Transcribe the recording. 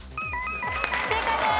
正解です！